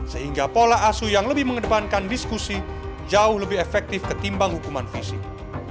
sehingga pola asu yang lebih mengedepankan diskusi jauh lebih efektif ketimbang hukuman fisik